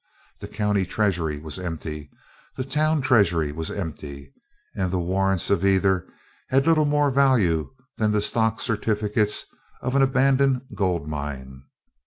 The county treasury was empty, the town treasury was empty, and the warrants of either had little more value than the stock certificates of an abandoned gold mine.